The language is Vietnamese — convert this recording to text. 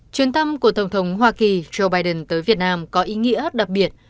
chuyến thăm của tổng thống hoa kỳ joe biden tới việt nam có ý nghĩa đặc biệt